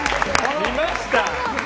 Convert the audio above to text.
見ました？